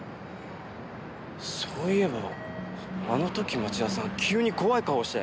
そういえばあの時町田さん急に怖い顔をして。